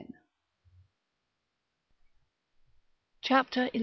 CHAPTER XI.